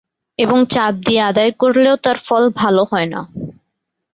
এবং চাপ দিয়ে আদায় করলেও তার ফল ভালো হয় না।